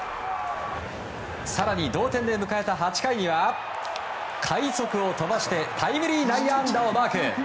更に、同点で迎えた８回には快足を飛ばしてタイムリー内野安打をマーク。